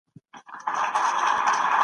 جرمني فیلسوف هیګل ډېر مشهور دی.